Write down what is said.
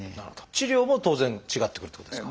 治療も当然違ってくるってことですか？